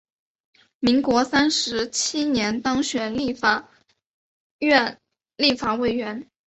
民国三十七年当选立法院立法委员。